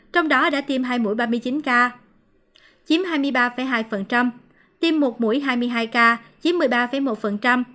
trong đó đã tiêm hai mũi ba mươi chín ca chiếm hai mươi ba hai tiêm một mũi hai mươi hai ca chiếm một mươi ba một